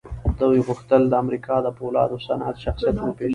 دوی غوښتل د امريکا د پولادو صنعت شخصيت ور وپېژني.